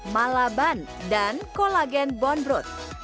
malaban dan kolagen bonbrot